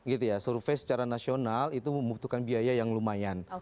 gitu ya survei secara nasional itu membutuhkan biaya yang lumayan